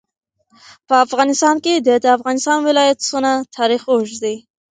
په افغانستان کې د د افغانستان ولايتونه تاریخ اوږد دی.